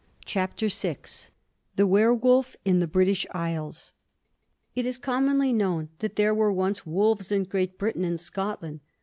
CHAPTER VI THE WERWOLF IN THE BRITISH ISLES It is commonly known that there were once wolves in Great Britain and Scotland.